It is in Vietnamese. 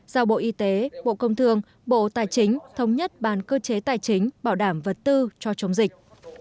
giao bộ y tế bộ công thương bộ tài chính thống nhất bàn cơ chế tài chính bảo đảm vật tư cho chống dịch